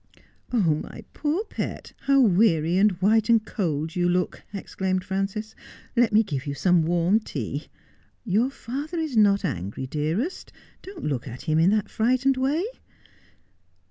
'My poor pet, how weary and white and cold you look!' exclaimed Frances. ' Let me give you some warm tea. Your father is not angry, dearest. Don't look at him in that frightened way.'